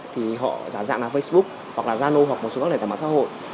thì họ giả dạng là facebook hoặc là zano hoặc một số các lệnh tài mạng xã hội